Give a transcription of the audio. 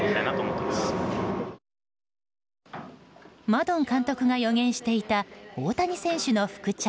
マドン監督が予言していた大谷選手の復調。